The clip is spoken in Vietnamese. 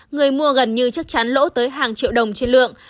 người mua gần như chắc chắn lỗ tới hàng triệu đồng trên lượng